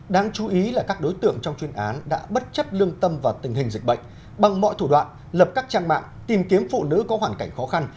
đáng chú ý là các đối tượng trong chuyên án đã bất chấp lương tâm vào tình hình dịch bệnh bằng mọi thủ đoạn lập các trang mạng tìm kiếm phụ nữ có hoàn cảnh khó khăn